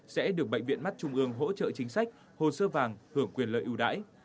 sẽ được bệnh viện mắt trung ương hỗ trợ chính sách hồ sơ vàng hưởng quyền lợi ưu đãi